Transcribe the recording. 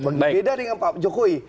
beda dengan pak jokowi